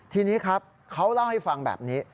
ทีนี้ครับเขาเล่าให้ฟังแบบนี้